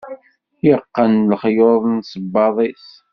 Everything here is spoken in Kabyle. Yeqqen lexyuḍ n sebbaḍ-is